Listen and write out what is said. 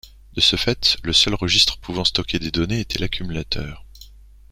De ce fait, le seul registre pouvant stocker des données était l'accumulateur.